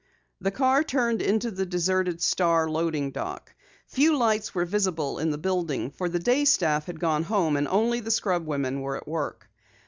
The car turned into the deserted Star loading dock. Few lights were visible in the building, for the day staff had gone home and only the scrub women were at work.